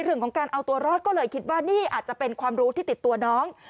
เรื่องของการเอาตัวรอดก็เลยคิดว่านี่อาจจะเป็นความรู้ที่ติดตัวน้อง